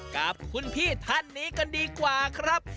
กับคุณพี่ท่านนี้กันดีกว่าครับ